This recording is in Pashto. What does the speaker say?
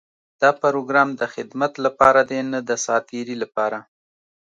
دا پروګرام د خدمت لپاره دی، نۀ د ساعتېري لپاره.